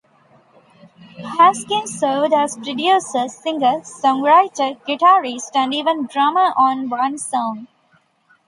Haskins served as producer, singer, songwriter, guitarist and even drummer on one song.